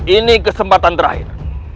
ini kesempatan terakhir